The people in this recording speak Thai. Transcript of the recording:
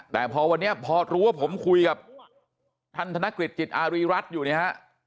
แต่พอวันนี้พอรู้ว่าผมคุยกับท่านธนกฤษจิตอารีรัฐอยู่เนี่ยฮะ